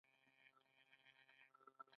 آیا د یوې سیمې بچیان نه دي؟